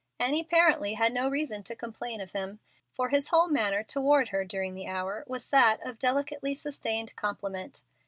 Annie apparently had no reason to complain of him, for his whole manner toward her during the hour was that of delicately sustained compliment.